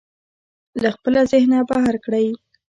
له خپله ذهنه بهر کړئ.